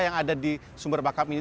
yang ada di sumber bakam ini